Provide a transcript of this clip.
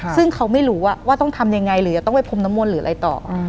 ซึ่งเขาไม่รู้ว่าต้องทำยังไงหรือจะต้องไปพรมน้ำมนต์หรืออะไรต่อ